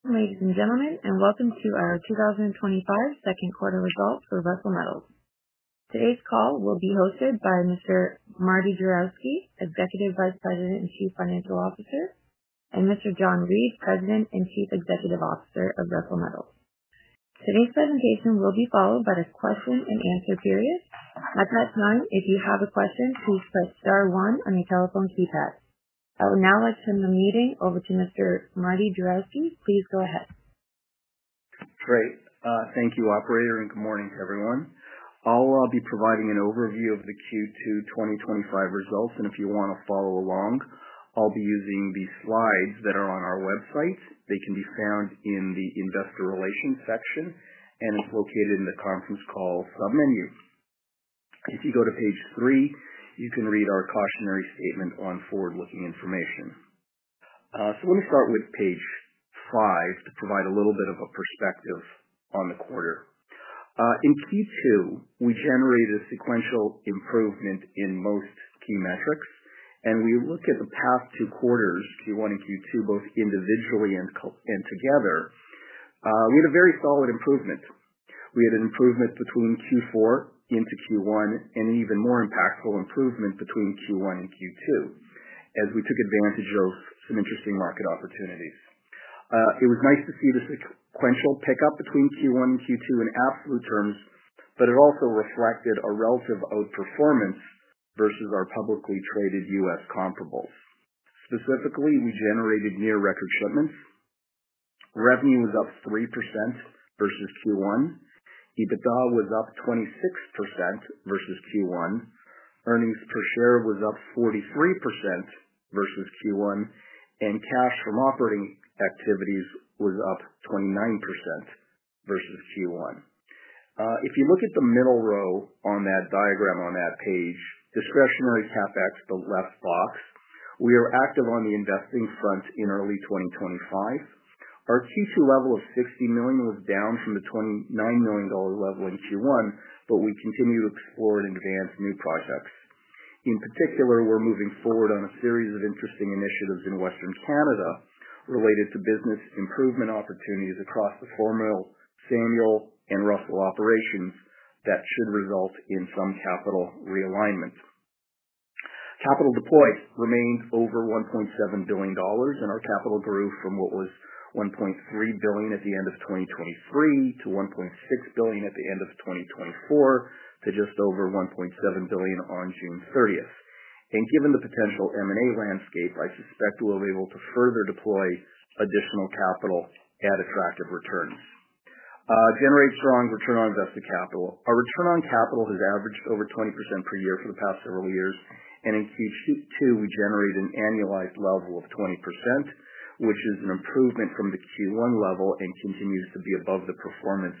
Ladies and gentlemen, welcome to our 2025 Second Quarter Results for Russel Metals. Today's call will be hosted by Mr. Marty Juravsky, Executive Vice President and Chief Financial Officer, and Mr. John Reid, President and Chief Executive Officer of Russel Metals. Today's presentation will be followed by a question and answer period. At that time, if you have a question, please press star one on your telephone keypad. I will now turn the meeting over to Mr. Marty Juravsky. Please go ahead. Great. Thank you, operator, and good morning to everyone. I'll be providing an overview of the Q2 2025 results, and if you want to follow along, I'll be using the slides that are on our website. They can be found in the investor relations section, and it's located in the conference call submenu. If you go to page three, you can read our cautionary statement on forward-looking information. Let me start with page five to provide a little bit of a perspective on the quarter. In Q2, we generated a sequential improvement in most key metrics, and we looked at the past two quarters, Q1 and Q2, both individually and together. We had a very solid improvement. We had an improvement between Q4 into Q1, and an even more impactful improvement between Q1 and Q2, as we took advantage of some interesting market opportunities. It was nice to see the sequential pickup between Q1 and Q2 in absolute terms, but it also reflected a relative outperformance versus our publicly traded U.S. comparables. Specifically, we generated near-record segments. Revenue was up 3% versus Q1. EBITDA was up 26% versus Q1. Earnings per share was up 43% versus Q1, and cash from operating activities was up 29% versus Q1. If you look at the middle row on that diagram on that page, discretionary CapEx, the left box, we are active on the investing front in early 2025. Our Q2 level of $60 million was down from the $129 million level in Q1, but we continue to explore and advance new projects. In particular, we're moving forward on a series of interesting initiatives in Western Canada related to business improvement opportunities across the former Samuel and Russel operations that should result in some capital realignment. Capital deployed remains over $1.7 billion, and our capital grew from what was $1.3 billion at the end of 2023 to $1.6 billion at the end of 2024 to just over $1.7 billion on June 30th. Given the potential M&A landscape, I suspect we'll be able to further deploy additional capital at attractive return. Generate strong return on invested capital. Our return on capital has averaged over 20% per year for the past several years, and in Q2, we generated an annualized level of 20%, which is an improvement from the Q1 level and continues to be above the performance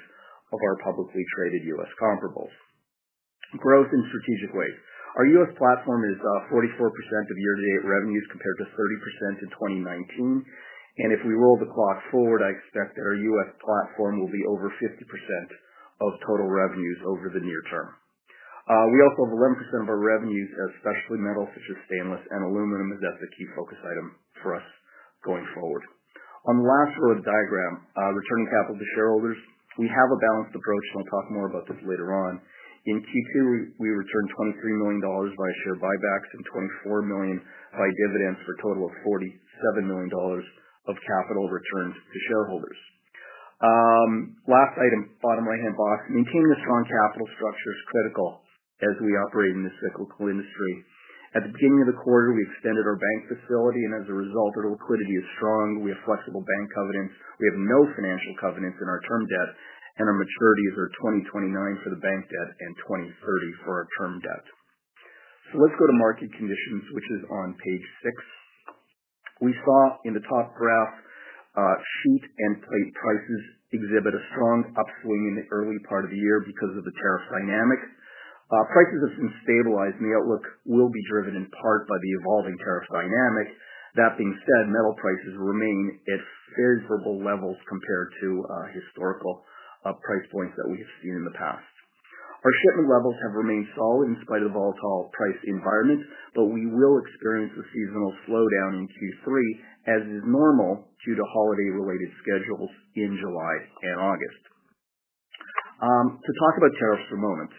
of our publicly traded U.S. comparables. The growth in strategic ways. Our U.S. platform is 44% of year-to-date revenues compared to 30% in 2019, and if we roll the clock forward, I expect that our U.S. platform will be over 50% of total revenues over the near term. We also have 11% of our revenues as specialty metal, such as stainless and aluminum, as that's a key focus item for us going forward. On the last row of the diagram, return to capital to shareholders, we have a balanced approach, and I'll talk more about this later on. In Q2, we returned $23 million via share buybacks and $24 million by dividends for a total of $47 million of capital returns to shareholders. Last item, bottom right-hand box, maintaining the strong capital structure is critical as we operate in the cyclical industry. At the beginning of the quarter, we extended our bank facility, and as a result, our liquidity is strong. We have flexible bank covenants. We have no financial covenants in our term debt, and our maturities are 2029 for the bank debt and 2030 for our term debt. Let's go to market conditions, which is on page six. We saw in the top graph, sheet and tight prices exhibit a strong upswing in the early part of the year because of the tariff dynamic. Prices have since stabilized, and the outlook will be driven in part by the evolving tariff dynamic. That being said, metal prices remain at favorable levels compared to historical price points that we have seen in the past. Our shipment levels have remained solid in spite of a volatile priced environment, but we will experience a seasonal slowdown in Q3, as is normal due to holiday-related schedules in July and August. To talk about tariffs and loans,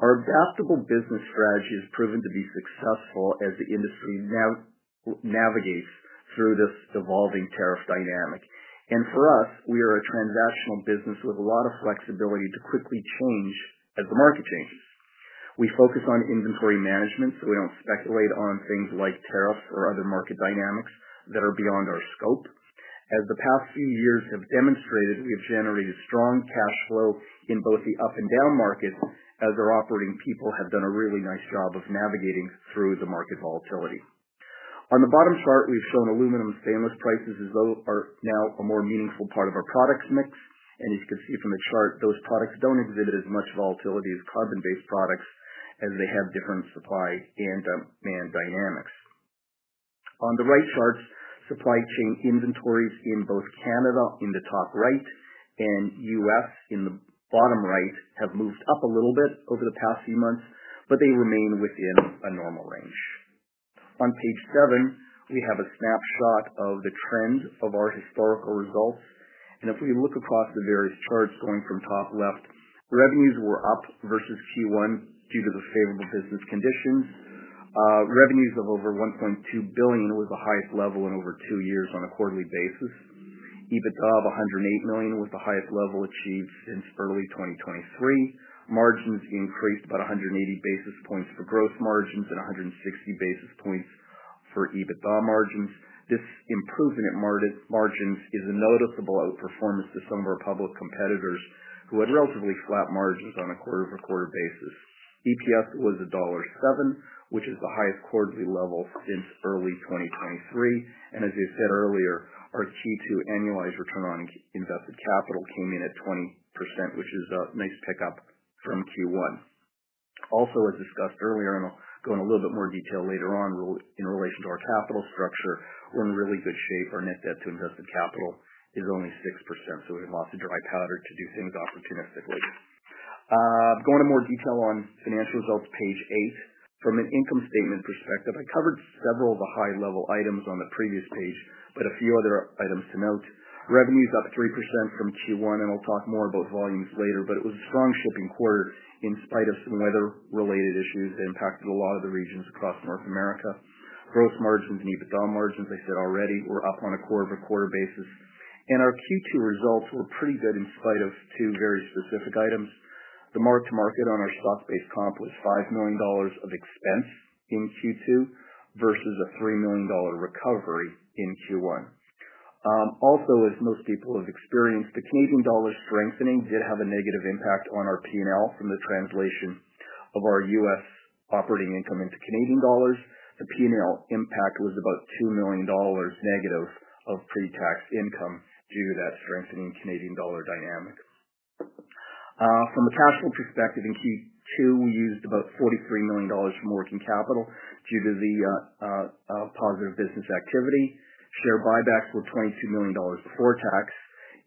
our adaptable business strategy has proven to be successful as the industry now navigates through this evolving tariff dynamic. For us, we are a transactional business with a lot of flexibility to quickly change as the market changes. We focus on inventory management, so we don't speculate on things like tariffs or other market dynamics that are beyond our scope. As the past few years have demonstrated, we have generated strong cash flow in both the up and down markets, as our operating people have done a really nice job of navigating through the market volatility. On the bottom chart, we've shown aluminum stainless prices as though they are now a more meaningful part of our product mix. As you can see from the chart, those products don't exhibit as much volatility as carbon-based products, as they have different supply and demand dynamics. On the right charts, supply chain inventories in both Canada in the top right and U.S. in the bottom right have moved up a little bit over the past few months, but they remain within a normal range. On page seven, we have a snapshot of the trend of our historical result. If we look across the various charts, going from top left, revenues were up versus Q1 due to the favorable business conditions. Revenues of over $1.2 billion was the highest level in over two years on a quarterly basis. EBITDA of $108 million was the highest level achieved since early 2023. Margins increased about 180 basis points for gross margins and 160 basis points for EBITDA margins. This improvement in margins is a noticeable outperformance to some of our public competitors who had relatively flat margins on a quarter-over-quarter basis. EPS was $1.07, which is the highest quarterly level since early 2023. As I said earlier, our Q2 annualized return on invested capital came in at 20%, which is a nice pickup from Q1. Also, as discussed earlier, and I'll go in a little bit more detail later on in relation to our capital structure, we're in really good shape. Our net debt to invested capital is only 6%, so we have lots of dry powder to do things opportunistically. Going to more detail on financial results page eight. From an income statement perspective, I covered several of the high-level items on the previous page, but a few other items to note. Revenues up 3% from Q1, and I'll talk more about volumes later, but it was a strong shipping quarter in spite of some weather-related issues that impacted a lot of the regions across North America. Gross margins and EBITDA margins, I said already, were up on a quarter-over-quarter basis. Our Q2 results were pretty good in spite of two very specific items. The mark-to-market on our stock-based comp was $5 million of expense in Q2 versus a $3 million recovery in Q1. Also, as most people have experienced, the Canadian dollar strengthening did have a negative impact on our P&L from the translation of our U.S. operating income into Canadian dollars. The P&L impact was about $2 million negative of pre-tax income due to that strengthening Canadian dollar dynamic. From a cash flow perspective, in Q2, we used about $43 million from working capital due to the positive business activity. Share buybacks were $22 million before tax,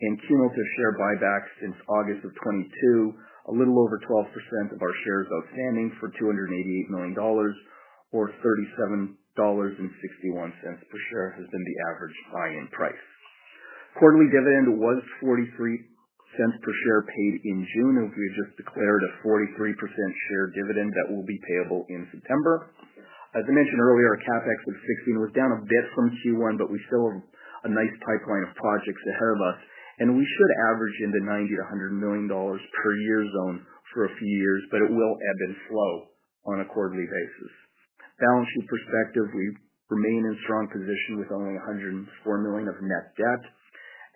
and cumulative share buybacks since August of 2022, a little over 12% of our shares outstanding for $288 million, or $37.61 per share has been the average buying price. Quarterly dividend was $0.43 per share paid in June, and we just declared a 43% share dividend that will be payable in September. As I mentioned earlier, our CapEx of $16 million was down a bit from Q1, but we still have a nice pipeline of projects ahead of us. We should average in the $90-$100 million per year zone for a few years, but it will ebb and flow on a quarterly basis. From a balancing perspective, we remain in a strong position with only $104 million of net debt.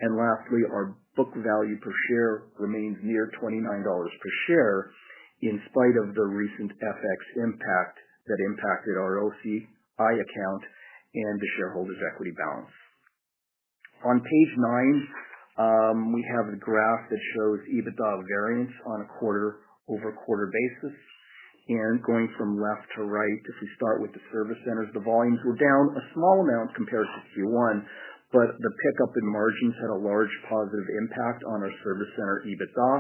Lastly, our book value per share remains near $29 per share in spite of the recent FX impact that impacted our OCI account and the shareholders' equity balance. On page nine, we have the graph that shows EBITDA variance on a quarter-over-quarter basis. Going from left to right, if we start with the service centers, the volumes were down a small amount compared to Q1, but the pickup in margins had a large positive impact on our service center EBITDA.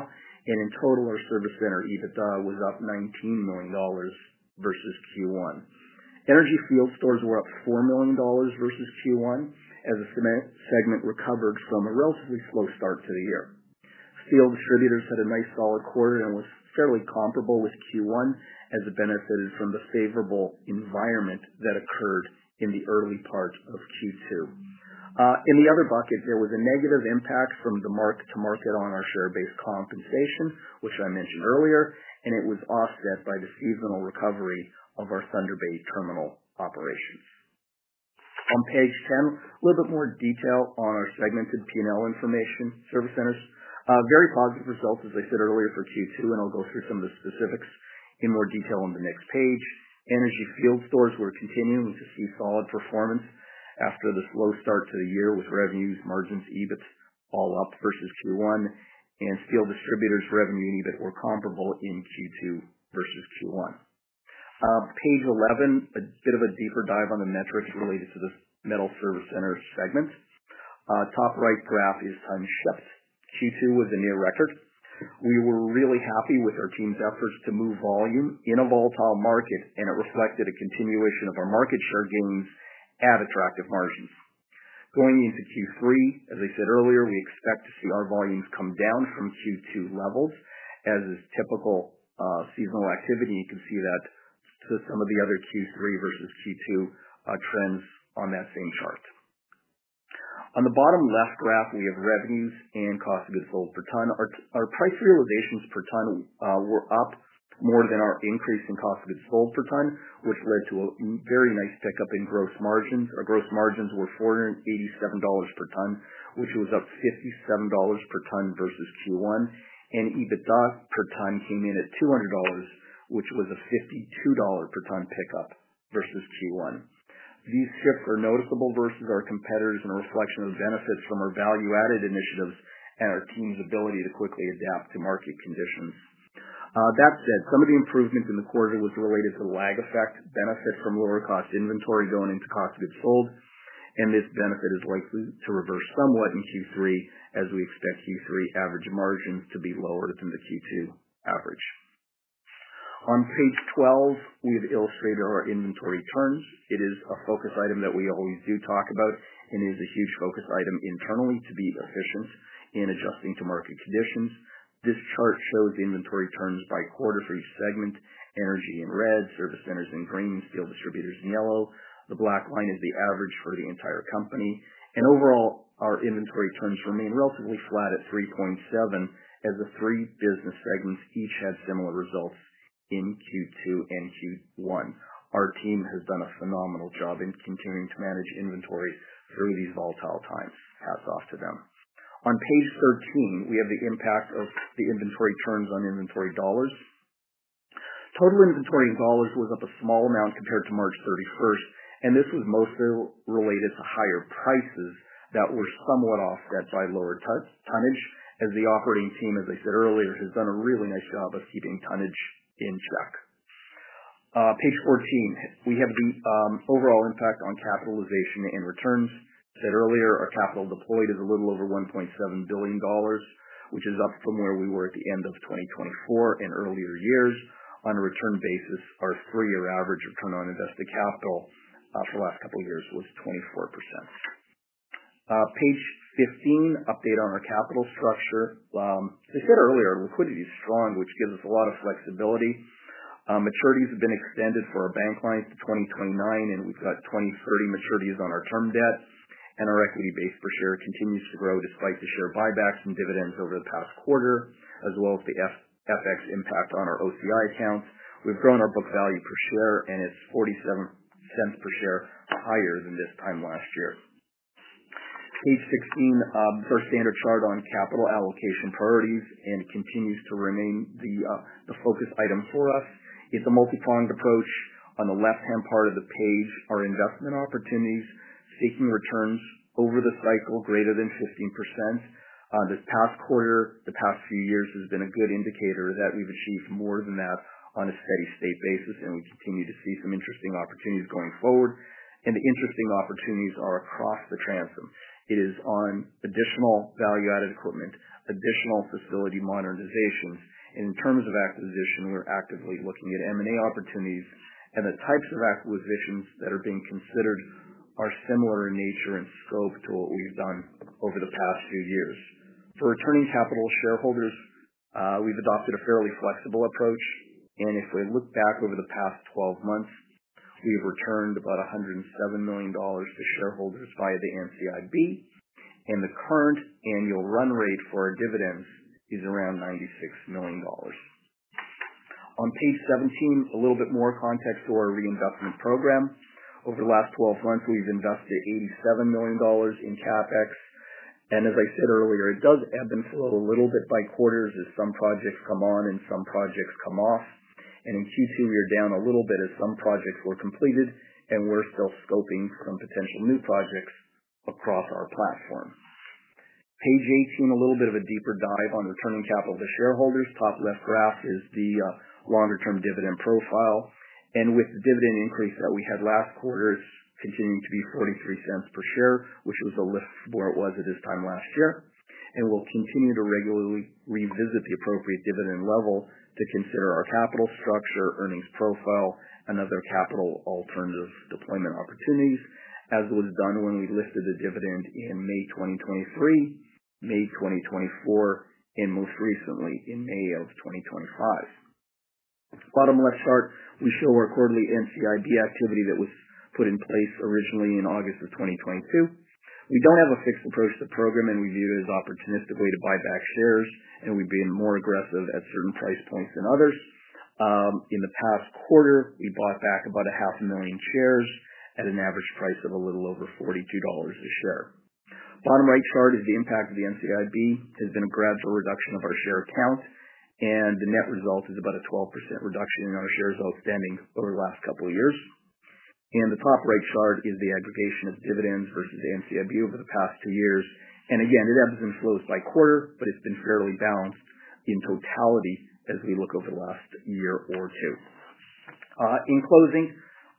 In total, our service center EBITDA was up $19 million versus Q1. Energy fuel stores were up $4 million versus Q1, as the cement segment recovered from a relatively slow start to the year. Fuel distributors had a nice solid quarter and was fairly comparable with Q1, as it benefited from the favorable environment that occurred in the early parts of Q2. In the other bucket, there was a negative impact from the mark-to-market on our share-based compensation, which I mentioned earlier, and it was offset by the seasonal recovery of our Thunder Bay terminal operations. On page 10, a little bit more detail on our segmented P&L information, service centers. Very positive result, as I said earlier, for Q2, and I'll go through some of the specifics in more detail on the next page. Energy fuel stores were continuing to see solid performance after the slow start to the year with revenues, margins, EBIT all up versus Q1, and fuel distributors' revenue and EBIT were comparable in Q2 versus Q1. Page 11, a bit of a deeper dive on the metrics related to this metal service center segment. Top right graph is time steps. Q2 was a near record. We were really happy with our team's efforts to move volume in a volatile market, and it reflected a continuation of our market share gains at attractive margins. Going into Q3, as I said earlier, we expect to see our volumes come down from Q2 levels, as is typical seasonal activity. You can see that through some of the other Q3 versus Q2 trends on that same chart. On the bottom left graph, we have revenues and cost of goods sold per ton. Our price realizations per ton were up more than our increase in cost of goods sold per ton, which led to a very nice pickup in gross margins. Our gross margins were $487 per ton, which was up $57 per ton versus Q1. EBITDA per ton came in at $200, which was a $52 per ton pickup versus Q1. These pickups are noticeable versus our competitors and a reflection of benefits from our value-added initiatives and our team's ability to quickly adapt to market conditions. That said, some of the improvement in the quarter was related to the lag effect, benefit from lower cost inventory going into cost of goods sold, and this benefit is likely to reverse somewhat in Q3, as we expect Q3 average margins to be lower than the Q2 average. On page 12, we have illustrated our inventory turns. It is a focus item that we always do talk about, and it was a huge focus item internally to be efficient in adjusting to market conditions. This chart shows inventory turns by quarter for each segment. Energy in red, service centers in green, steel distributors in yellow. The black line is the average for the entire company. Overall, our inventory turns remain relatively flat at 3.7, as the three business segments each had similar results in Q2 and Q1. Our team has done a phenomenal job in continuing to manage inventory through these volatile times. Hats off to them. On page 13, we have the impact of the inventory turns on inventory dollars. Total inventory dollars was up a small amount compared to March 31st, and this was mostly related to higher prices that were somewhat offset by lower tonnage, as the operating team, as I said earlier, has done a really nice job of keeping tonnage in check. Page 14, we have the overall impact on capitalization and returns. I said earlier, our capital deployed is a little over $1.7 billion, which is up from where we were at the end of 2024 and earlier years. On a return basis, our three-year average return on invested capital for the last couple of years was 24%. Page 15, update on our capital structure. As I said earlier, liquidity is strong, which gives us a lot of flexibility. Maturities have been extended for our bank clients to 2029, and we've got 2030 maturities on our term debts. Our equity based per share continues to grow despite the share buybacks and dividends over the past quarter, as well as the FX impact on our OCI account. We've grown our book value per share and it is $0.47 per share higher than this time last year. Page 16, first standard chart on capital allocation priorities, continues to remain the focus item for us. It's a multi-pronged approach. On the left-hand part of the page, our investment opportunities seeking returns over the cycle greater than 15%. This past quarter, the past few years has been a good indicator that we've achieved more than that on a steady state basis, and we continue to see some interesting opportunities going forward. The interesting opportunities are across the transom. It is on additional value-added equipment, additional facility modernizations. In terms of acquisition, we're actively looking at M&A opportunities, and the types of acquisitions that are being considered are similar in nature and scope to what we've done over the past few years. For returning capital to shareholders, we've adopted a fairly flexible approach. If we look back over the past 12 months, we've returned about $107 million to shareholders via the NCIB, and the current annual run rate for our dividends is around $96 million. On page 17, a little bit more context to our reinvestment program. Over the last 12 months, we've invested $87 million in CapEx. As I said earlier, it does ebb and flow a little bit by quarters as some projects come on and some projects come off. In Q2, we were down a little bit as some projects were completed, and we're still scoping some potential new projects across our platform. Page 18, a little bit of a deeper dive on returning capital to shareholders. Top left graph is the longer-term dividend profile. With the dividend increase that we had last quarter, it's continuing to be $0.43 per share, which was a lift where it was at this time last year. We'll continue to regularly revisit the appropriate dividend level to consider our capital structure, earnings profile, and other capital alternative deployment opportunities, as it was done when we lifted the dividend in May 2023, May 2024, and most recently in May of 2025. Bottom left chart, we show our quarterly NCIB activity that was put in place originally in August of 2022. We don't have a fixed approach to the program, and we view it as opportunistically to buy back shares, and we've been more aggressive at certain price points than others. In the past quarter, we bought back about a half million shares at an average price of a little over $42 a share. Bottom right chart is the impact of the NCIB. There's been a gradual reduction of our share count, and the net result is about a 12% reduction in our shares outstanding over the last couple of years. The top right chart is the aggregation of dividends versus NCIB over the past two years. It ebbs and flows by quarter, but it's been fairly balanced in totality as we look over the last year or two. In closing,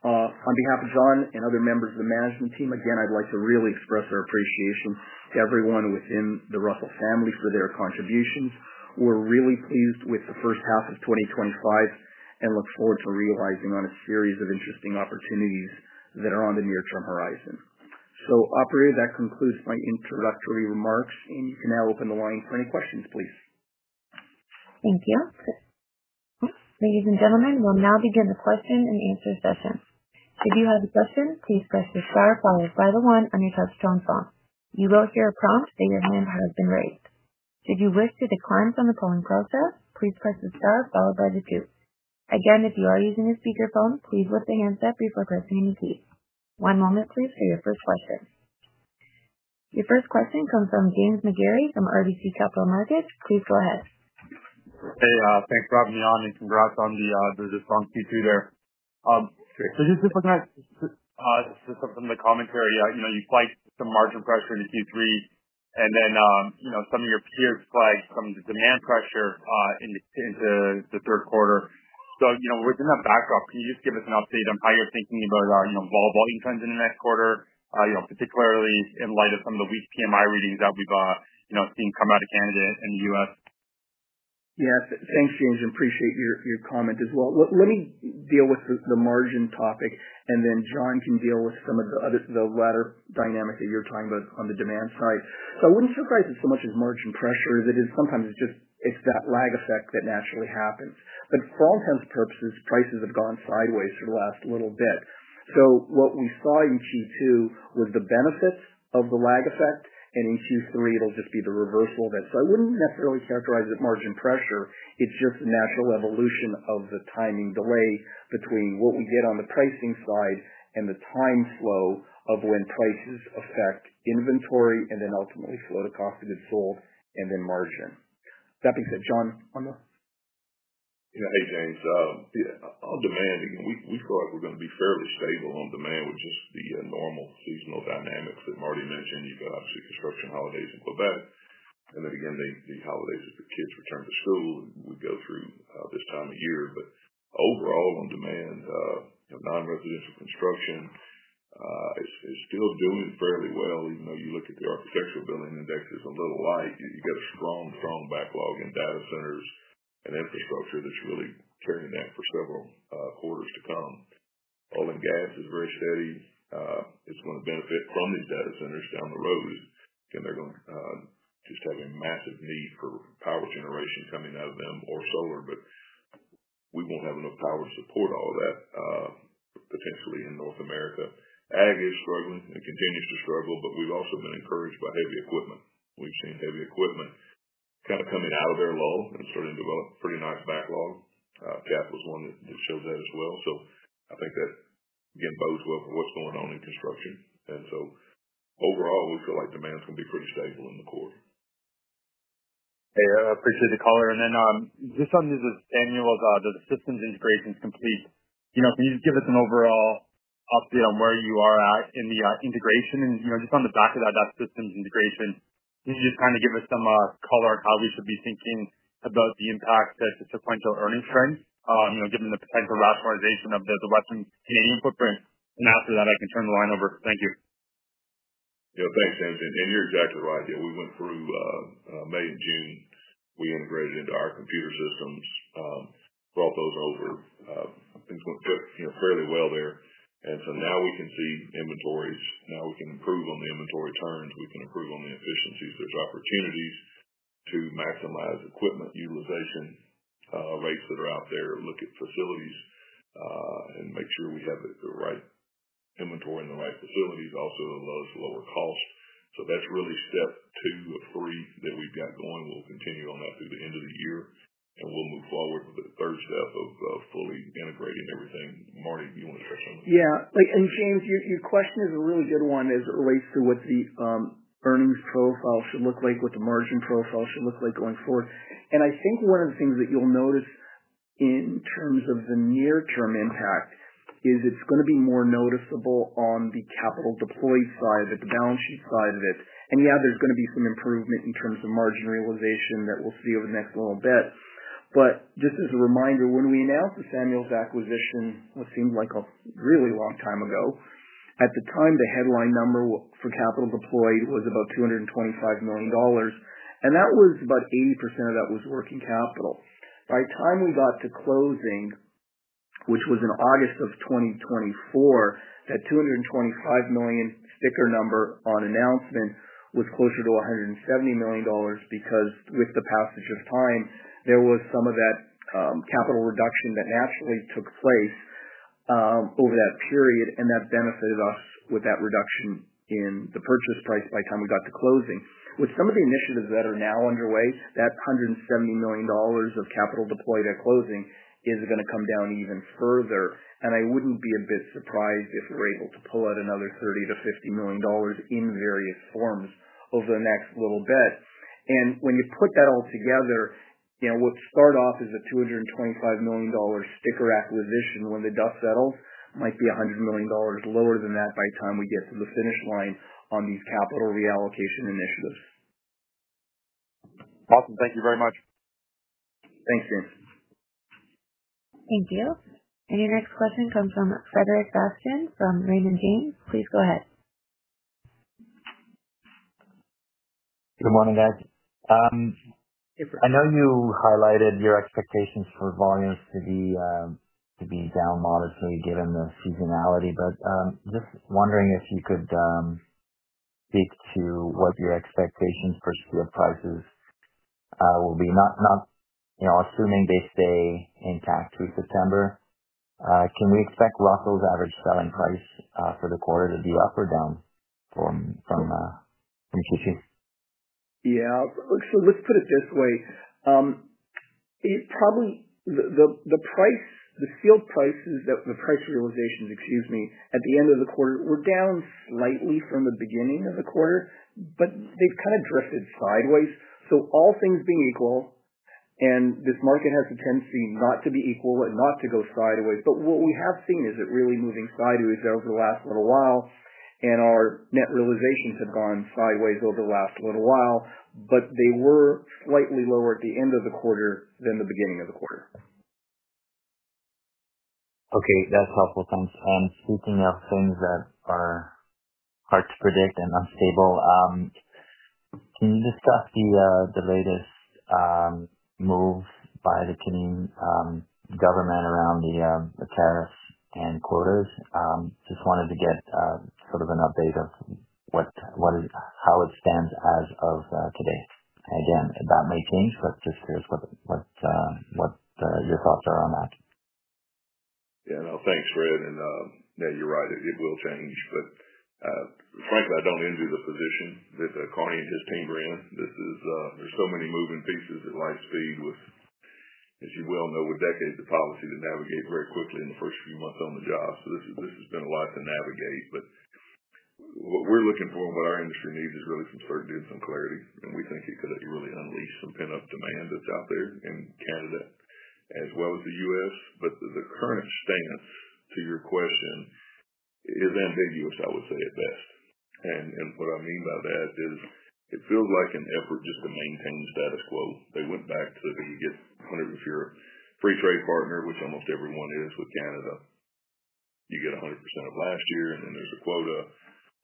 on behalf of John and other members of the management team, I'd like to really express our appreciation to everyone within the Russel family for their contributions. We're really pleased with the first half of 2025 and look forward to realizing on a series of interesting opportunities that are on the near-term horizon. Operator, that concludes my introductory remarks, and you can now open the line for any questions, please. Thank you. Ladies and gentlemen, we'll now begin the question and answer session. If you have a question, please press the star followed by the one on your custom phone. You will hear a prompt say your name has been raised. Should you wish to decline from the polling process, please press the star followed by the two. Again, if you are using a speaker phone, please look to the handset before pressing any key. One moment, please, for your first question. Your first question comes from James McGarragle from RBC Capital Markets. Please go ahead. Hey, thanks for having me on and congrats on the response to Q3. Just to put something in the commentary, you fight some margin pressure in Q3, and some of your peers flagged some of the demand pressure in the third quarter. Within that backdrop, can you give us an update on how you're thinking about our volume trends in the next quarter, particularly in light of some of the weak PMI readings that we've seen come out of Canada and the U.S.? Yeah, thanks, James, and appreciate your comment as well. Let me deal with the margin topic, and then John can deal with some of the other latter dynamic that you're talking about on the demand side. I wouldn't say price is so much as margin pressure. It is sometimes just that lag effect that naturally happens. For all intents and purposes, prices have gone sideways for the last little bit. What we saw in Q2 was the benefits of the lag effect, and in Q3, it'll just be the reversal of it. I wouldn't necessarily characterize it as margin pressure. It's just a natural evolution of the timing delay between what we did on the pricing side and the time flow of when prices affect inventory and then ultimately slow the cost of goods sold and then margin. That being said, John, on the. Yeah, hey, James. On demand, we feel like we're going to be fairly stable on demand with just the normal seasonal dynamics that Marty mentioned. You've got, obviously, construction holidays in Quebec, and then again, the holidays that the kids return to school, we go through this time of year. Overall, on demand, you know non-residential construction is still doing fairly well, even though you look at the architectural building indexes a little wide. You've got a strong, strong backlog in data centers and infrastructure that's really turning that for several quarters to come. Oil and gas is very steady. It's going to benefit plumbing data centers down the road, and they're going to just have a massive need for power generation coming out of them or solar. We won't have enough power to support all of that, potentially in North America. Ag is struggling and continues to struggle, but we've also been encouraged by heavy equipment. We've seen heavy equipment kind of come in out of their lull and starting to develop pretty nice backlogs. CAP was one that just shows that as well. I think that, again, bodes well for what's going on in construction. Overall, we feel like demand's going to be pretty stable in the quarter. Hey, I appreciate the caller. Just on this annual of the systems integrations complete, can you give us an overall update on where you are at in the integration? Just on the back of that systems integration, can you give us some color of how we should be thinking about the impact to sequential earnings trends, given the potential rationalization of the Russel Canadian footprint? After that, I can turn the line over. Thank you. Yeah, thanks, John. You're exactly right. We went through May and June. We integrated into our computer systems, brought those over. Things went fairly well there. Now we can see inventories. Now we can improve on the inventory turns. We can improve on the efficiencies. There's opportunities to maximize equipment utilization rates that are out there. Look at facilities. We'll make sure we have the right inventory in the right facilities. Also, it allows lower cost. That's really step two or three that we've got going. We'll continue on that through the end of the year, and we'll move forward with the third step of fully integrating everything Marty's doing. Yeah. James, your question is a really good one as it relates to what the earnings profile should look like, what the margin profile should look like going forward. I think one of the things that you'll notice in terms of the near-term impact is it's going to be more noticeable on the capital deployed side, the balance sheet side of it. There's going to be some improvement in terms of margin realization that we'll see over the next little bit. Just as a reminder, when we announced the Samuel acquisition, which seemed like a really long time ago, at the time, the headline number for capital deployed was about $225 million. About 80% of that was working capital. By the time we got to closing, which was in August of 2024, that $225 million sticker number on announcement was closer to $170 million because with the passage of time, there was some of that capital reduction that naturally took place over that period. That benefited us with that reduction in the purchase price by the time we got to closing. With some of the initiatives that are now underway, that $170 million of capital deployed at closing is going to come down even further. I wouldn't be a bit surprised if we were able to pull out another $30 million-$50 million in various forms over the next little bit. When you put that all together, what started off as a $225 million sticker acquisition when the dust settled might be $100 million lower than that by the time we get to the finish line on capital reallocation initiatives. Awesome. Thank you very much. Thanks, James. Thank you. Your next question comes from Frederic Bastien from Raymond James. Please go ahead. Good morning, guys. I know you highlighted your expectations for volumes to be down modestly given the seasonality, but just wondering if you could speak to what your expectations for steel prices will be. Not, you know, assuming they stay intact through September. Can we expect Russel's average selling price for the quarter to be up or down from Q2? Yeah. Let's put it this way. The steel prices, the price realizations, excuse me, at the end of the quarter were down slightly from the beginning of the quarter, but they've kind of drifted sideways. All things being equal, and this market has a tendency not to be equal or not to go sideways, what we have seen is it really moving sideways over the last little while. Our net realizations have gone sideways over the last little while, but they were slightly lower at the end of the quarter than the beginning of the quarter. Okay. That's helpful. Thanks. Speaking of things that are hard to predict and unstable, can you discuss the latest moves by the Canadian government around the tariff and quotas? I just wanted to get sort of an update of what is, how it stands as of today. That may change. Let's just hear what your thoughts are on that. Yeah, no, thanks, Fred. Yeah, you're right. It will change. Frankly, I don't envy the position that Carney and his team were in. There are so many moving pieces at light speed, as you well know, with decades of policy to navigate very quickly in the first few months on the job. This has been a lot to navigate. What we're looking for, what our industry needs, is really some certainty and some clarity. We think it could really unleash some pent-up demand that's out there in Canada as well as the U.S. The current stance, to your question, is ambiguous, I would say, at best. What I mean by that is it feels like an effort just to maintain status quo. They went back to, you get 100% free trade partner, which almost everyone is with Canada. You get 100% last year, and then there's a quota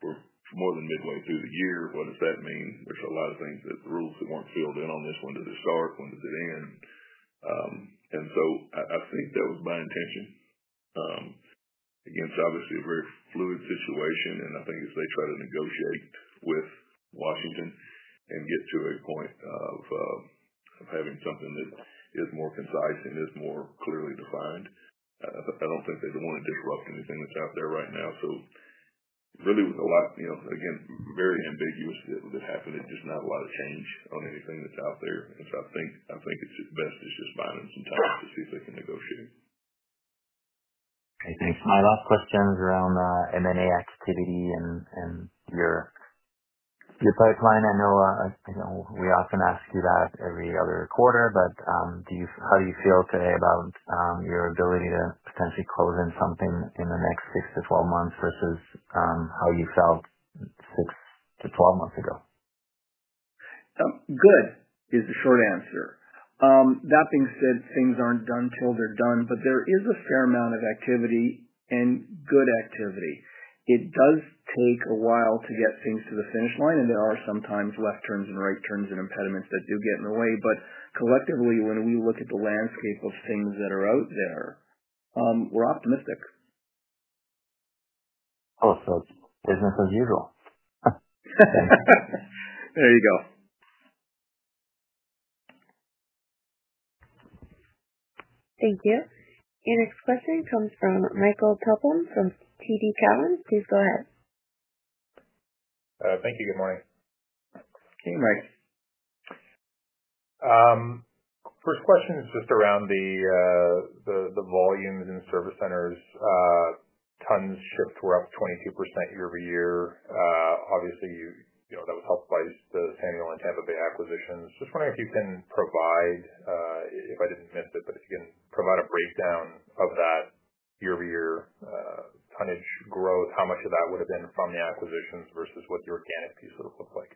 for more than midway through the year. What does that mean? There are a lot of things that the rules weren't filled in on this one to the start, one to the end. I think that was my intention. Again, it's obviously a very fluid situation. I think if they try to negotiate with Washington and get to a point of having something that is more concise and is more clearly defined, I don't think they'd want to disrupt anything that's out there right now. Really, it's very ambiguous that happened. It's just not a lot of change on anything that's out there. I think it's best it's just buying them some time to see if they can negotiate. Okay, thanks. My last question is around M&A activity and your steel pipeline. I know we often ask you that every other quarter, but how do you feel today about your ability to potentially close in something in the next 6-12 months versus how you felt 6-12 months ago? Good is the short answer. That being said, things aren't done till they're done, but there is a fair amount of activity and good activity. It does take a while to get things to the finish line, and there are sometimes left turns and right turns and impediments that do get in the way. Collectively, when we look at the landscape of things that are out there, we're optimistic. Awesome. Business as usual. There you go. Thank you. Next question comes from Michael Tupholme from TD Cowen. Please go ahead. Thank you, good morning. Hey, Mike. First question is just around the volumes in service centers. Tons shift roughly 22% year-over-year. Obviously, you know that was helped by the Samuel and Tampa Bay acquisitions. Just wondering if you can provide, if I didn't miss it, but if you can provide a breakdown of that year-over-year tonnage growth, how much of that would have been from the acquisitions versus what the organic piece would have looked like?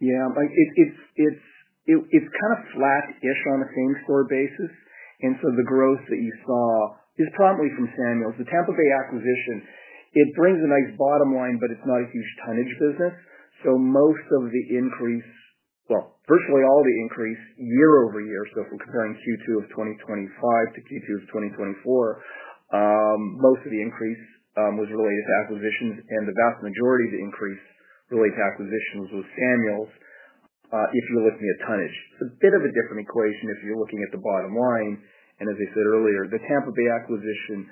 Yeah, Mike, it's kind of flat-ish on a claims-floor basis. The growth that you saw is probably Samuel. the Tampa Bay acquisition brings a nice bottom line, but it's not a huge tonnage business. Most of the increase, virtually all the increase year-over-year, if we're comparing Q2 of 2025 to Q2 of 2024, was related to acquisitions, and the vast majority of the increase Samuel. if you're looking at tonnage. It's a bit of a different equation if you're looking at the bottom line. As I said earlier, the Tampa Bay acquisition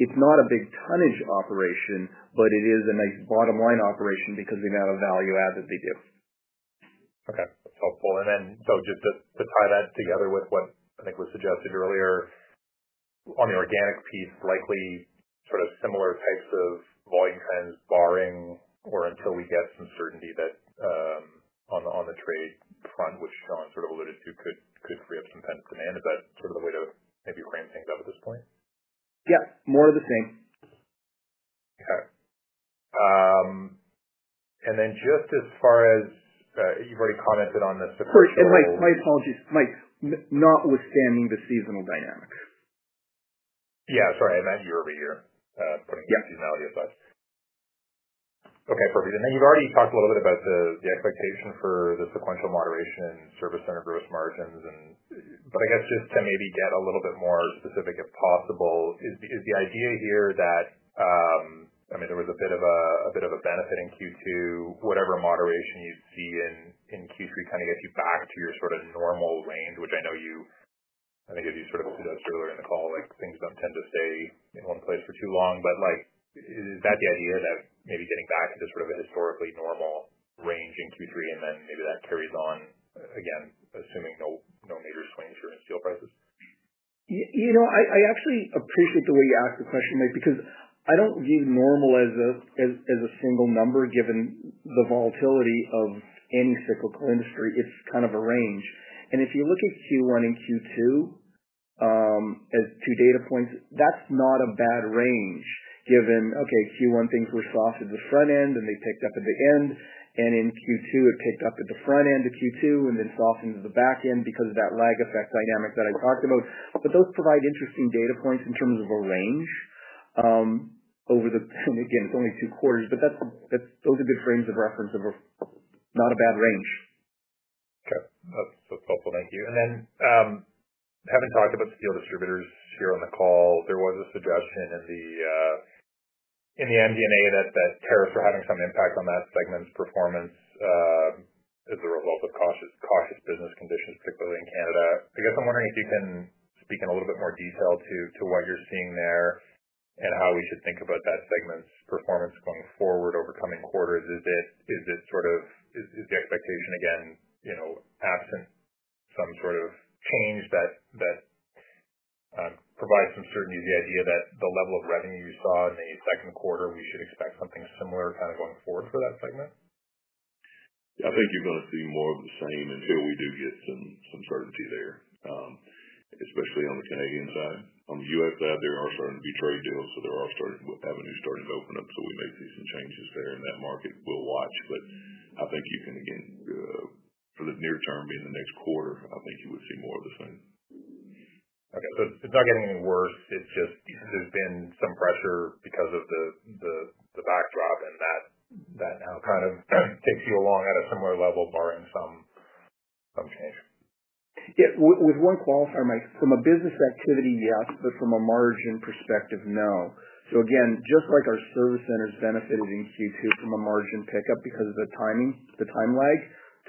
is not a big tonnage operation, but it is a nice bottom line operation because of the amount of value add that they do. Okay. That's helpful. Just to tie that together with what I think was suggested earlier, on the organic piece, likely sort of similar types of volume trends barring or until we get some certainty that, on the trade front, which John sort of alluded to, could free up some tense demand. Is that sort of the way to maybe frame things up at this point? Yes, more of the same. Okay. Just as far as, you've already commented on this, the quarter. And Mike, my apologies, Mike, notwithstanding the seasonal dynamics. Sorry. Year-over-year, putting seasonality aside. Okay, perfect. You've already talked a little bit about the expectation for the sequential moderation in service center growth margins. I guess just to maybe get a little bit more specific if possible, is the idea here that, I mean, there was a bit of a benefit in Q2. Whatever moderation you'd see in Q3 kind of gets you back to your sort of normal range, which I know you, I think, as you sort of convinced earlier in the call, things don't tend to stay in one place for too long. Is that the idea that maybe getting back into sort of a historically normal range in Q3 and then maybe that carries on, again, assuming no major swings in steel prices? You know. I actually appreciate the way you asked the question, Mike, because I don't view normal as a single number given the volatility of any cyclical industry. It's kind of a range. If you look at Q1 and Q2 as two data points, that's not a bad range given, okay, Q1 things were soft at the front end and they picked up at the end. In Q2, it picked up at the front end of Q2 and then softened to the back end because of that lag effect dynamic that I talked about. Those provide interesting data points in terms of a range, and again, only two quarters. Those are good frames of reference of a not a bad range. Okay. That's helpful. Thank you. Having talked about steel distributors here on the call, there was a suggestion in the MD&A that tariffs are having some impact on that segment's performance as a result of cautious business conditions, particularly in Canada. I guess I'm wondering if you can speak in a little bit more detail to what you're seeing there and how we should think about that segment's performance going forward over coming quarters. Is the expectation again, you know, absent some sort of change that provides some certainty to the idea that the level of revenue you saw in the second quarter, we should expect something similar going forward for that segment? Yeah, I think you're both seeing more of the same as where we do get some certainty there, especially on the Canadian side. On the U.S. side, they're also in Detroit dealing with their offshore revenue starting to open up, so we make these changes there in that market. We'll watch. I think you can, again, for the near term, being the next quarter, I think you would see more of the same. Okay. It's not getting any worse? There's just been some pressure because of the backdrop, and that now kind of takes you along at a similar level barring some change? Yeah. With one qualifier, Mike, from a business activity, yes, but from a margin perspective, no. Just like our service centers benefited in Q2 from a margin pickup because of the timing, the time lag,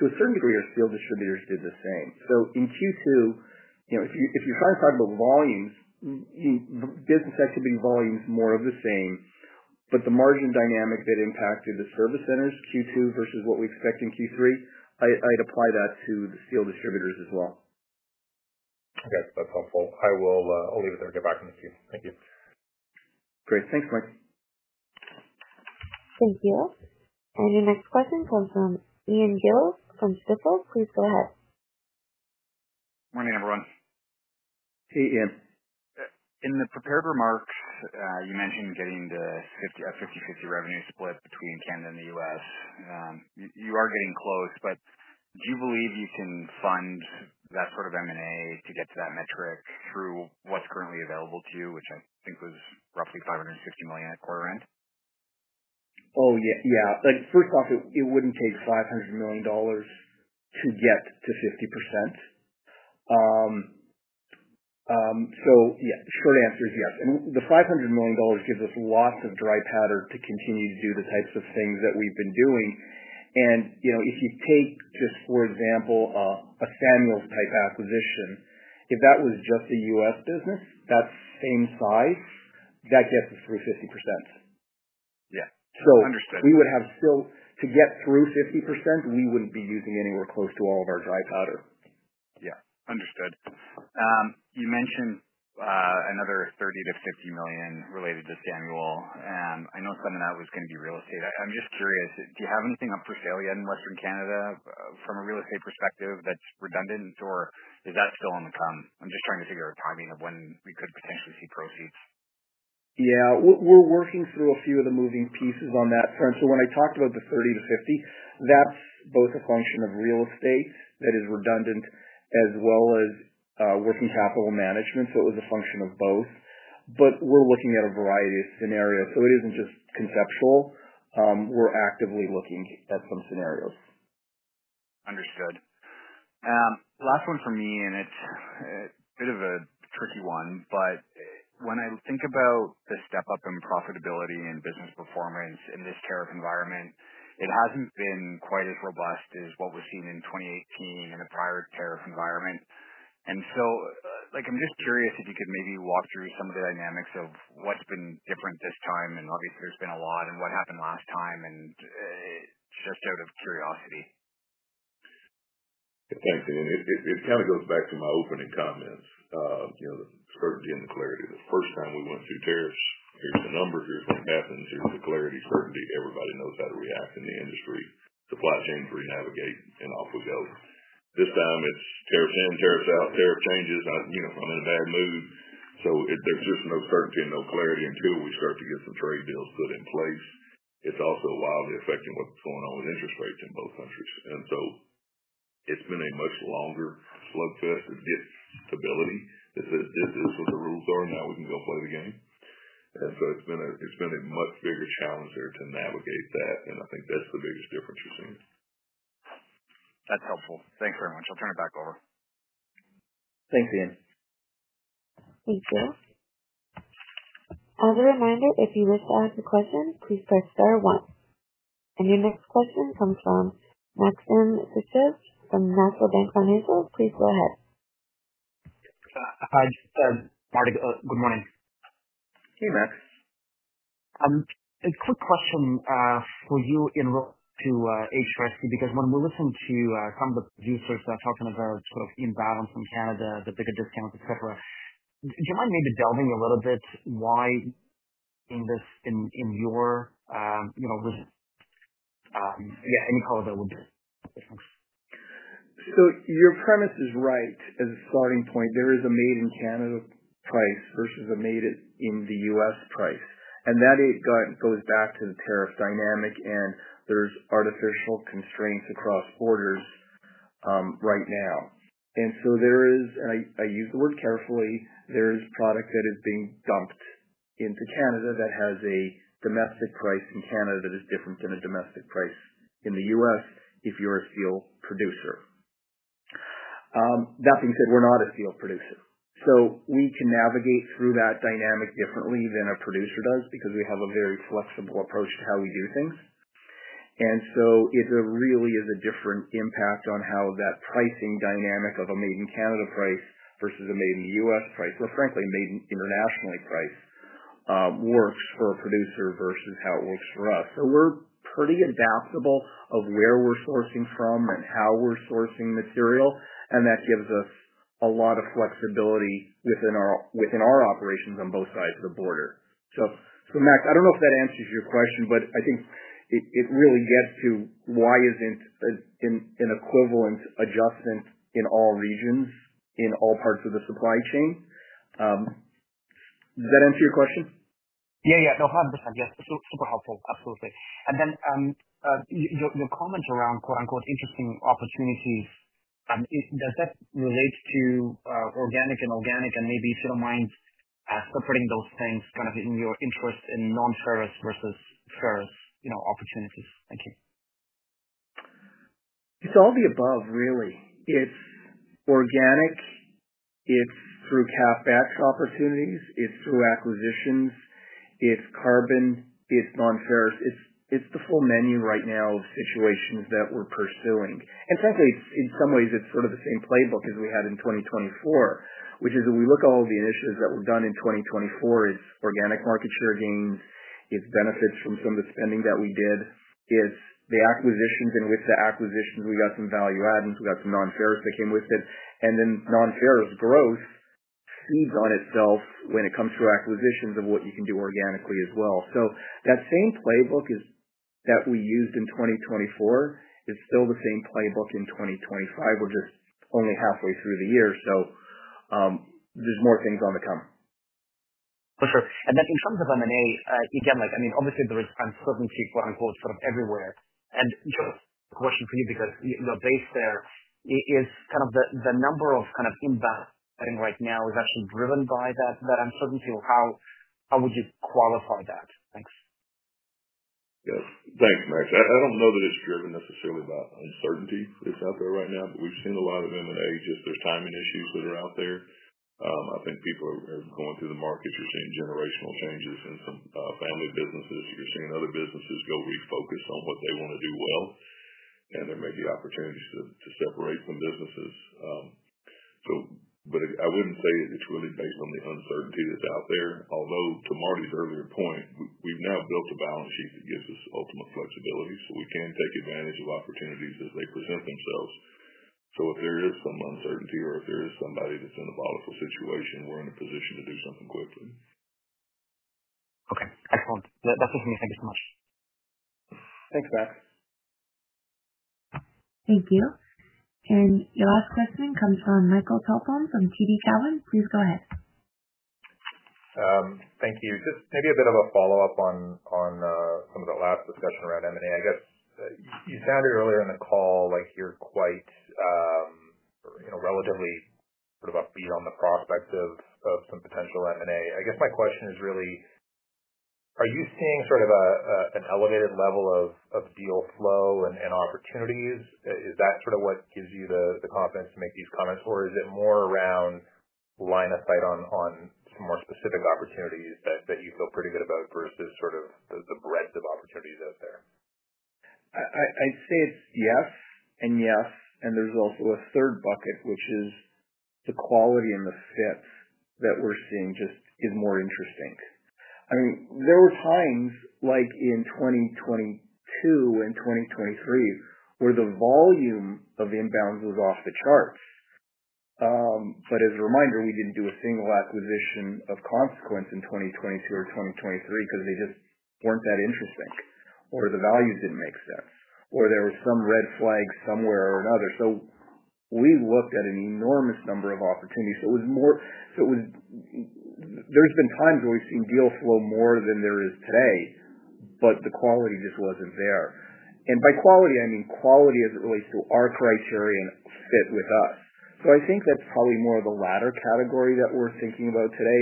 to a certain degree, our steel distributors did the same. In Q2, if you're trying to talk about volumes, business activity volumes more of the same, but the margin dynamic that impacted the service centers Q2 versus what we expect in Q3, I'd apply that to the steel distributors as well. Okay, that's helpful. I'll leave it there. Get back to the team. Thank you. Great. Thanks, Mike. Thank you. Your next question comes from Ian Gillies from StifelNicolaus Can Nada Inc. Please go ahead. Morning, everyone. Hey, Ian. In the prepared remarks, you mentioned getting the 50/50 revenue split between Canada and the U.S. You are getting close, but do you believe you can fund that sort of M&A to get to that metric through what's currently available to you, which I think was roughly $560 million at quarter end? Yeah. First off, it wouldn't take $500 million to get to 50%. The short answer is yes. The $500 million gives us lots of dry powder to continue to do the types of things that we've been doing. If you take just, for example, a Samuel type acquisition, if that was just a U.S. business, that same size, that gets us through 50%. Understood. We would have still to get through 50%. We wouldn't be using anywhere close to all of our dry powder. Yeah. Understood. You mentioned another $30 million-$50 million related to Samuel. I know some of that was going to be real estate. I'm just curious, do you have anything up for sale yet in Western Canada from a real estate perspective that's redundant, or is that still on the prem? I'm just trying to figure out timing of when we could potentially see proceeds. Yeah. We're working through a few of the moving pieces on that. For instance, when I talked about the $30 million-$50 million, that's both a function of real estate that is redundant as well as working capital management. It was a function of both. We're looking at a variety of scenarios. It isn't just conceptual. We're actively looking at some scenarios. Understood. Last one for me, and it's a bit of a tricky one, but when I think about the step-up in profitability and business performance in this tariff environment, it hasn't been quite as robust as what we've seen in 2018 in a prior tariff environment. I'm just curious if you could maybe walk through some of the dynamics of what's been different this time. Obviously, there's been a lot, and what happened last time, and it's just out of curiosity. Thanks. I mean, it kind of goes back to my opening comments, you know, the certainty and the clarity. The first time we went through tariffs, here's the numbers, here's what happens, here was the clarity, certainty. Everybody knows how to react in the industry. Supply chains, we navigate, and off we go. This time, there are some tariff changes. You know, I'm in a bad mood. There's just no certainty and no clarity until we start to get some trade deals put in place. It's also a while affecting what's going on with interest rates in most countries. It's been a much longer flow test of this stability. It's as good as what the rules are. Now we can go play the game. It's been a much bigger challenge there to navigate that. I think that's the biggest difference we've seen. That's helpful. Thanks very much. I'll turn it back over. Thanks, Ian. Thank you. As a reminder, if you look forward to questions, please press star one. Your next question comes from Maxim Sytchev from National Bank Financial. Please go ahead. Good morning. Hey, Max. A quick question for you in relation to HVAC because when we're listening to some of the producers talking about sort of imbalance in Canada, the bigger discounts, etc., do you mind maybe delving a little bit why in this, you know, any color that would be? Your premise is right as a starting point. There is a made-in-Canada price versus a made-in-the-U.S. price. That goes back to the tariff dynamic, and there are artificial constraints across borders right now. There is, and I use the word carefully, product that is being dumped into Canada that has a domestic price in Canada that is different than a domestic price in the U.S. if you're a steel producer. That being said, we're not a steel producer. We can navigate through that dynamic differently than a producer does because we have a very flexible approach to how we do things. It really is a different impact on how that pricing dynamic of a made-in-Canada price versus a made-in-U.S. price, or frankly, made-in-internationally priced, works for a producer versus how it works for us. We're pretty adaptable with where we're sourcing from and how we're sourcing material. That gives us a lot of flexibility within our operations on both sides of the border. Max, I don't know if that answers your question, but I think it really gets to why there isn't an equivalent adjustment in all regions, in all parts of the supply chain. Does that answer your question? Yes, 100%. Yes. Super helpful. Absolutely. Your comment around quote-unquote "interesting opportunities," does that relate to organic and inorganic and maybe through the minds of separating those things, kind of in your interest in non-ferrous versus ferrous opportunities? Thank you. It's all the above, really. It's organic. It's through CapEx opportunities. It's through acquisitions. It's carbon. It's non-ferrous. It's the full menu right now of situations that we're pursuing. Frankly, in some ways, it's sort of the same playbook as we had in 2024, which is if we look at all of the initiatives that were done in 2024, it's organic market share gains. It's benefits from some of the spending that we did. It's the acquisitions, and with the acquisitions, we got some value adds. We got some non-ferrous that came with it. Non-ferrous growth feeds on itself when it comes to acquisitions of what you can do organically as well. That same playbook that we used in 2024, it's still the same playbook in 2025. We're just only halfway through the year. There's more things to come. Okay. In terms of M&A, obviously, there is uncertainty, quote-unquote, sort of everywhere. Just a question for you because your base there is kind of the number of kind of imbalancing right now. Is that driven by that uncertainty, or how would you qualify that? Thanks. Yeah. Thanks, Max. I don't know that it's driven necessarily by uncertainty that's out there right now, but we've seen a lot of M&A just through timing issues that are out there. I think people are going through the market. You're seeing generational changes. You're seeing some family businesses. You're seeing other businesses go refocus on what they want to do well. There may be opportunities to separate some businesses. I wouldn't say it's really based on the uncertainty that's out there. Although, to Marty's earlier point, we've now built a balance sheet that gives us ultimate flexibility. We can take advantage of opportunities as they present themselves. If there is some uncertainty or if there is somebody that's in a volatile situation, we're in a position to do something quickly. Okay. Excellent. That's it for me. Thank you so much. Thanks, Max. Thank you. Your last question comes from Michael Tupholme from TD Cowen. Please go ahead. Thank you. Maybe a bit of a follow-up on some of the last discussion around M&A. I guess you sounded earlier in the call like you're quite, you know, relatively sort of upbeat on the prospect of some potential M&A. I guess my question is really, are you seeing sort of an elevated level of deal flow and opportunities? Is that what gives you the confidence to make these comments, or is it more around line of sight on some more specific opportunities that you feel pretty good about versus the breadth of opportunities out there? I'd say it's yes and yes. There's also a third bucket, which is the quality and the fit that we're seeing just is more interesting. I mean, there were times like in 2022 and 2023 where the volume of imbalances was off the charts. As a reminder, we didn't do a single acquisition of consequence in 2022 or 2023 because they just weren't that interesting or the value didn't make sense or there were some red flags somewhere or another. We looked at an enormous number of opportunities. There have been times where we've seen deal flow more than there is today, but the quality just wasn't there. By quality, I mean quality as it relates to our criterion fit with us. I think that's probably more of the latter category that we're thinking about today.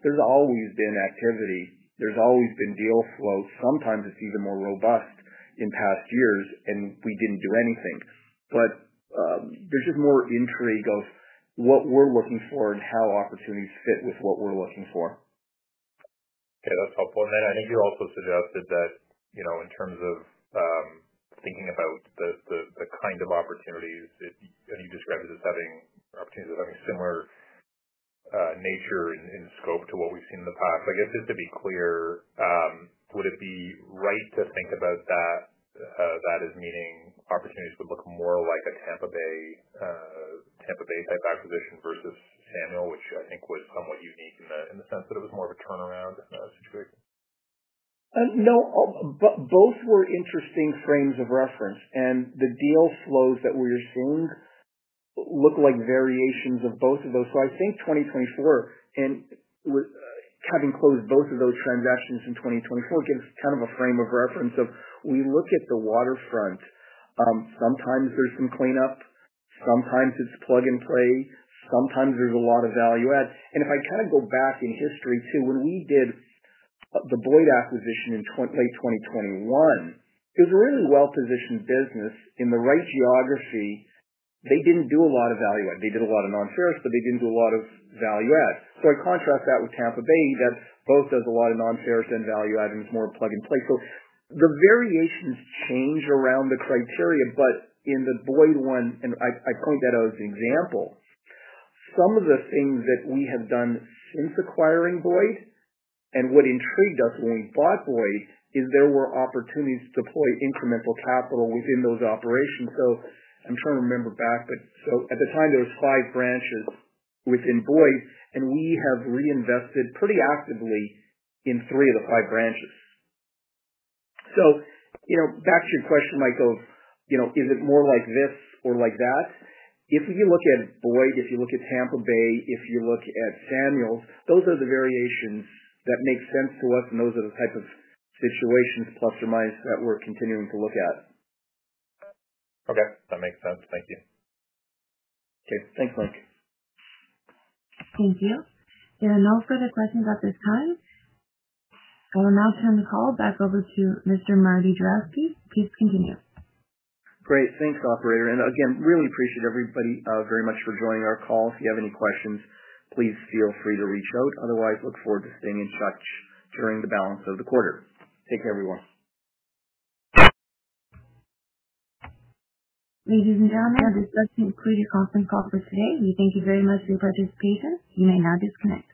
There's always been activity. There's always been deal flow. Sometimes it's even more robust in past years, and we didn't do anything. There's just more intrigue of what we're looking for and how opportunities fit with what we're looking for. Okay, that's helpful. I think you also suggested that, you know, in terms of thinking about the kind of opportunities that you described as having opportunities of having similar nature and scope to what we've seen in the past. I guess just to be clear, would it be right to think about that as meaning opportunities would look more like a Tampa Bay type acquisition versus Samuel, which I think was somewhat unique in the sense that it was more of a turnaround situation? No, but both were interesting frames of reference. The deal flows that we're seeing look like variations of both of those. I think 2024, and with having closed both of those transactions in 2024, gives kind of a frame of reference if we look at the waterfront. Sometimes there's some cleanups. Sometimes it's plug and play. Sometimes there's a lot of value add. If I kind of go back in history too, when we did the Boyd acquisition in late 2021, it was a really well-positioned business in the right geography. They didn't do a lot of value add. They did a lot of non-ferrous, but they didn't do a lot of value add. I contrast that with Tampa Bay that both has a lot of non-ferrous and value add and more plug and play. The variations change around the criteria, but in the Boyd one, and I point that out as an example, some of the things that we have done since acquiring Boyd and what intrigued us when we bought Boyd is there were opportunities to deploy incremental capital within those operations. I'm trying to remember back, but at the time, there were five branches within Boyd, and we have reinvested pretty actively in three of the five branches. Back to your question, Michael, is it more like this or like that? If you look at Boyd, if you look at Tampa Bay, if you look at Samuel, those are the variations that make sense to us, and those are the type of situations plus or minus that we're continuing to look at. Okay, that makes sense. Thank you. Okay. Thanks, Mike. Thank you. There are no further questions at this time. We'll now turn the call back over to Mr. Marty Juravsky. Please continue. Great. Thanks, operator. I really appreciate everybody very much for joining our call. If you have any questions, please feel free to reach out. Otherwise, I look forward to staying in touch during the balance of the quarter. Take care, everyone. Ladies and gentlemen, this does conclude the conference call for today. We thank you very much for your participation. You may now disconnect.